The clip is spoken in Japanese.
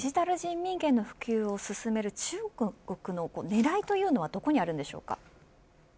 デジタル人民元の普及を進める中国の狙いというのはどこにありますか。